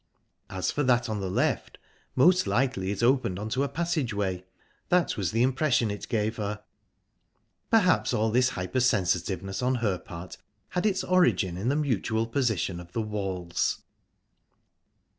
As for that on the left, most likely it opened on to a passage way that was the impression it gave her...Perhaps all this hypersensitiveness on her part had its origin in the mutual position of the walls.